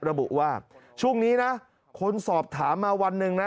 ระบุว่าช่วงนี้นะคนสอบถามมาวันหนึ่งนะ